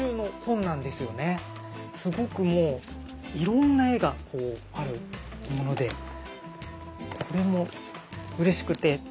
すごくもういろんな絵があるものでこれもうれしくて。